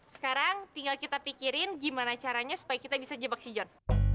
sekarang tinggal kita pikirin gimana caranya supaya kita bisa jebak si john